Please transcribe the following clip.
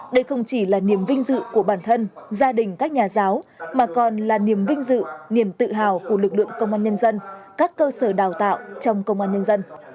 đây không chỉ là niềm vinh dự của bản thân gia đình các nhà giáo mà còn là niềm vinh dự niềm tự hào của lực lượng công an nhân dân các cơ sở đào tạo trong công an nhân dân